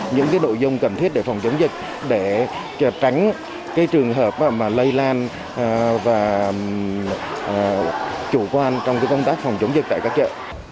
những nội dung cần thiết để phòng chống dịch để tránh trường hợp mà lây lan và chủ quan trong công tác phòng chống dịch tại các chợ